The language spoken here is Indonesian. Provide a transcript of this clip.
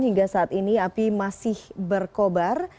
hingga saat ini api masih berkobar